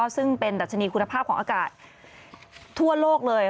ซึ่งเป็นดัชนีคุณภาพของอากาศทั่วโลกเลย